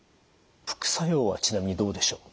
副作用はちなみにどうでしょう？